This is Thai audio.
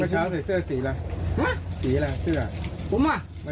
ฮึ้มวะ